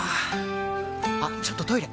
あっちょっとトイレ！